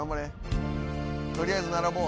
取りあえず並ぼう。